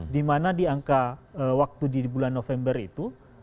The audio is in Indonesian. di mana di angka waktu di bulan november itu